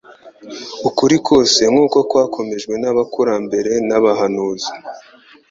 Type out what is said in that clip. Ukuri kose nkuko kwakomejwe n'abakurambere n'abahanuzi,